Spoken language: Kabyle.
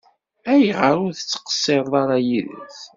Ayɣer ur tettqeṣirem ara yid-s?